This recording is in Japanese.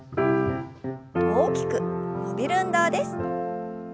大きく伸びる運動です。